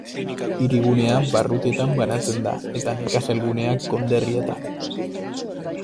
Hirigunea barrutietan banatzen da eta nekazal guneak konderrietan.